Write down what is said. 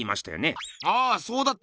ああそうだった